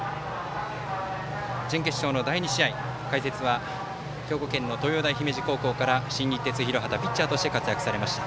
準決勝の第２試合、解説は兵庫県の東洋大姫路高校から新日鉄広畑ピッチャーとして活躍されました。